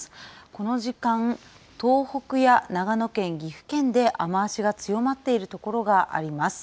この時間、東北や長野県、岐阜県で、雨足が強まっている所があります。